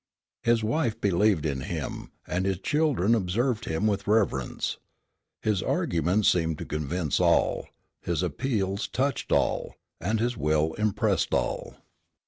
"His wife believed in him, and his children observed him with reverence. His arguments seemed to convince all, his appeals touched all, and his will impressed all.